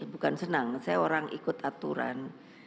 bukan senang saya orang ikut aturan